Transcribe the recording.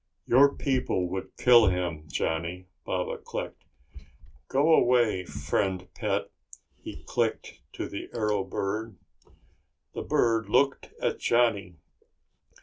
"Your people would kill him, Johnny," Baba clicked. "Go away, friend pet," he clicked to the arrow bird. The bird looked at Johnny.